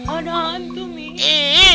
ada hantu mi